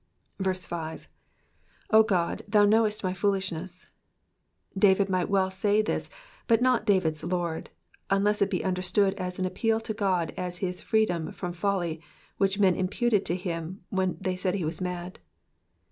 5. 0 Qod^ thou hnawest my foolishness,'*'' David might well say this, but not David's Lord ; unless it be understood as an appeal to God as to his freedom from the folly which men imputed to him when they said he was mad.